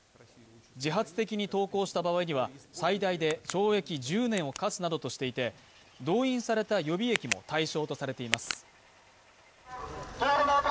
自発的に投降した場合には、最大で懲役１０年を科すなどとしていて、動員された予備役も対象とされています。